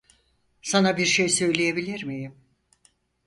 Sana bir şey söyleyebilir miyim?